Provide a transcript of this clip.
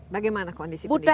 bagaimana kondisi pendidikan